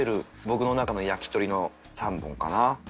僕の中の焼き鳥の３本かな。